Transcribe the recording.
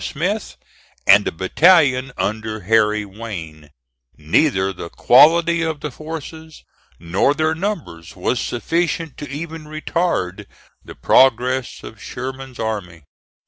Smith, and a battalion under Harry Wayne. Neither the quality of the forces nor their numbers was sufficient to even retard the progress of Sherman's army.